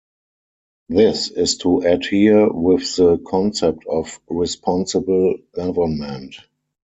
This is to adhere with the concept of Responsible Government.